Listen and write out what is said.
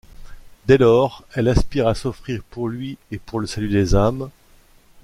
Dès lors, elle aspire à s'offrir pour lui et pour le salut des âmes.